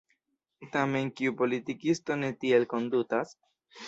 Tamen kiu politikisto ne tiel kondutas?